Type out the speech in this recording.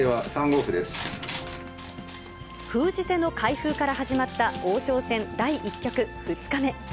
封じ手の開封から始まった王将戦第１局２日目。